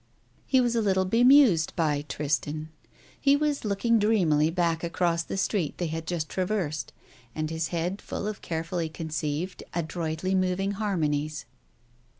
He was a little bemused by "Tristan"; he was looking dreamily back across the street they had just traversed, his head full of carefully conceived, adroitly moving harmonies.